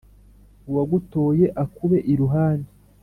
uwagutoye akube iruhande